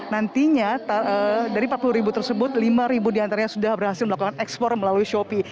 nantinya dari empat puluh ribu tersebut lima ribu diantaranya sudah berhasil melakukan ekspor melalui shopee